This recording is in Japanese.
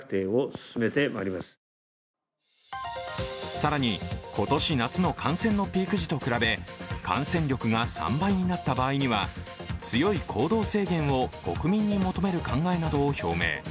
更に、今年夏の感染のピーク時と比べ感染力が３倍になった場合には強い行動制限を国民に求める考えなどを表明。